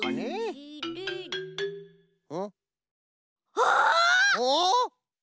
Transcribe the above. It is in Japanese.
あっ！